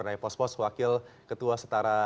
dan pos pos wakil ketua setara